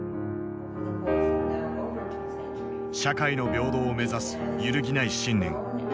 社会の平等を目指す揺るぎない信念。